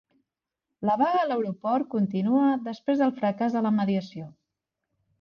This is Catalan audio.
La vaga a l'aeroport continua després del fracàs de la mediació